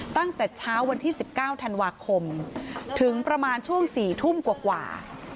ตั้งแต่เช้าวันที่๑๙ธันวาคมถึงประมาณช่วง๔ทุ่มกว่า